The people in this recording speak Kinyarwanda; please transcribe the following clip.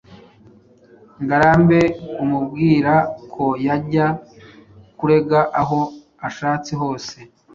Ngarambe amubwira ko yajya kurega aho ashatse hose.